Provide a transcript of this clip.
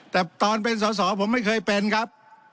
แต่ตอนเป็นสอสอผมไม่เคยเป็นครับ